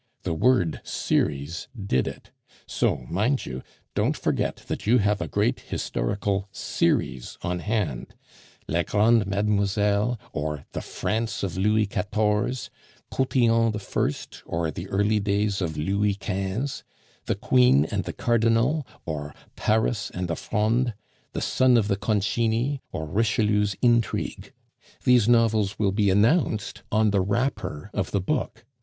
The word 'series' did it! So, mind you, don't forget that you have a great historical series on hand La Grande Mademoiselle, or The France of Louis Quatorze; Cotillon I., or The Early Days of Louis Quinze; The Queen and the Cardinal, or Paris and the Fronde; The Son of the Concini, or Richelieu's Intrigue. These novels will be announced on the wrapper of the book.